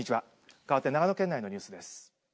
かわって長野県内のニュースです。